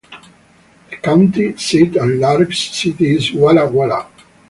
The county seat and largest city is Walla Walla.